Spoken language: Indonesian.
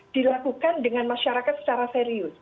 dilakukan dengan masyarakat secara serius